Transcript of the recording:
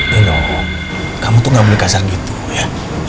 nino kamu tuh gak boleh kasar gitu ya